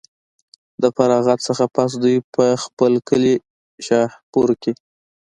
د فراغت نه پس دوي پۀ خپل کلي شاهپور کښې